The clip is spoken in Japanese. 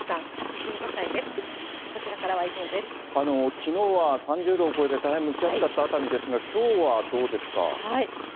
きのうは３０度を超えて、大変蒸し暑かった熱海ですが、きょうはどうですか？